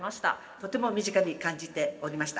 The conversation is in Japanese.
とても身近に感じておりました。